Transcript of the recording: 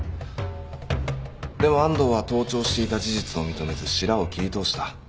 でも安藤は盗聴していた事実を認めずしらを切りとおした。